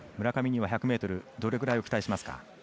村上には１００ｍどれぐらいを期待しますか？